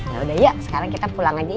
ya udah yuk sekarang kita pulang aja yuk